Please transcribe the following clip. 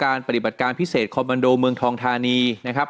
ปฏิบัติการพิเศษคอมมันโดเมืองทองธานีนะครับ